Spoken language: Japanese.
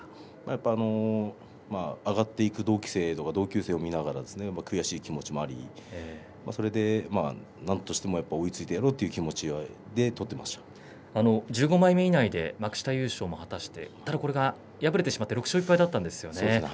やっぱり上がっていく同期生や同級生を見ながら悔しい気持ちもありそれでなんとしても追いついてやろうという気持ちで１５枚目以内で幕下優勝も果たしてただ敗れてしまって６勝１敗だったんですよね。